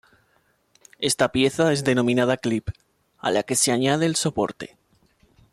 Esta pieza es denominada "clip", a la que se añade el soporte.